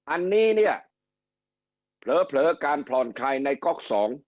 อันนี้เนี่ยเผลอการผ่อนคลายในก๊อก๒